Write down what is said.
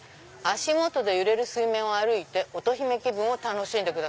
足元で揺れる水面を歩いて乙姫気分を楽しんで」。